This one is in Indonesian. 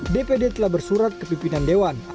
dpd telah bersurat ke pimpinan dewan